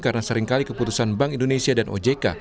karena seringkali keputusan bank indonesia dan ojk